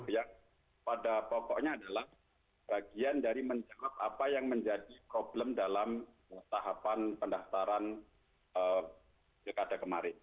yang pada pokoknya adalah bagian dari menjawab apa yang menjadi problem dalam tahapan pendaftaran pilkada kemarin